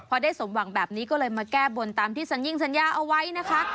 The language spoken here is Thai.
พอได้สมหวังแบบนี้ก็เลยมาแก้บนตามที่สัญญิงสัญญาเอาไว้นะคะ